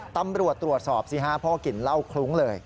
ตำรวจตรวจสอบเนี่ยครับพ่อกิณเล่าคลุ้งเลย